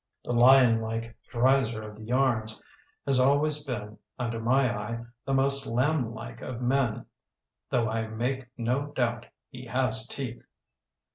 The lionlike Dreiser of the yams has always been, under my eye, the most lamblike of men, though I make no doubt he has teeth.